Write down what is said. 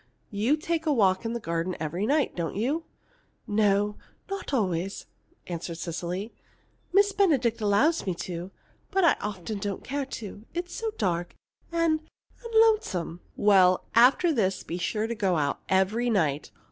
You take a walk in the garden every night, don't you?" "No, not always," answered Cecily. "Miss Benedict allows me to, but often I don't care to. It's so dark and and lonesome." "Well, after this, be sure to go out every night.